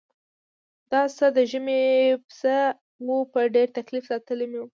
دا څه د ژمي پسه و په ډېر تکلیف ساتلی مې و.